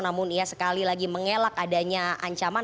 namun ia sekali lagi mengelak adanya ancaman